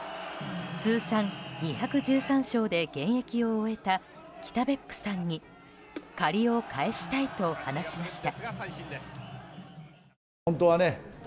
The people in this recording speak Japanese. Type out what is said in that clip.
通算２１３勝で現役を終えた北別府さんに借りを返したいと話しました。